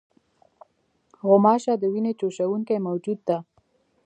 غوماشه د وینې چوشوونکې موجوده ده.